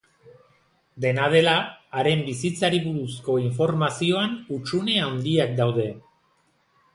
Dena dela, haren bizitzari buruzko informazioan hutsune handiak daude.